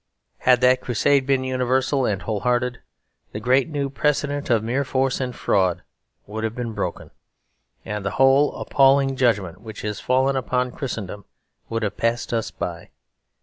Had that Crusade been universal and whole hearted, the great new precedent of mere force and fraud would have been broken; and the whole appalling judgment which is fallen upon Christendom would have passed us by.